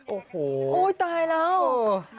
โอ้โฮโอ๊ยตายแล้วโอ๊ย